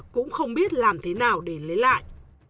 cũng không biết làm thế nào để lấy lại